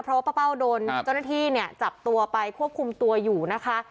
เพราะว่าป้าเป้าโดนเจ้าหน้าที่เนี่ยจับตัวไปควบคุมตัวอยู่นะคะ